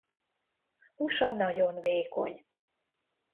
Húsa nagyon vékony.